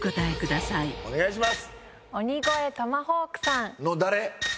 お願いします！